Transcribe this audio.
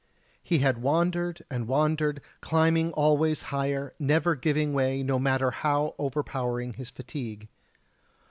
He had wandered and wandered, climbing always higher, never giving way, no matter how overpowering his fatigue.